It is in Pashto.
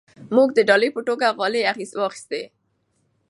موږ د ډالۍ په توګه غالۍ واخیستې.